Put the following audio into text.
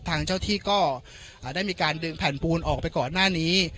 ทางเจ้าที่ก็ได้มีการดึงแผ่นปูนออกไปก่อนหน้านี้